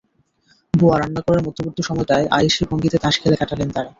বুয়া রান্না করার মধ্যবর্তী সময়টায় আয়েশি ভঙ্গিতে তাস খেলে কাটালেন তাঁরা।